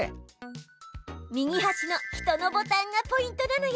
右はしの人のボタンがポイントなのよ。